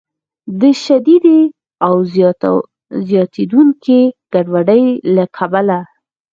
د شدیدې او زیاتیدونکې ګډوډۍ له کبله